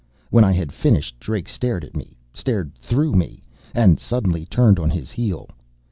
When I had finished. Drake stared at me stared through me and suddenly turned on his heel.